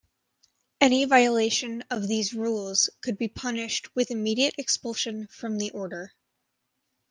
Any violation of these rules could be punished with immediate expulsion from the order.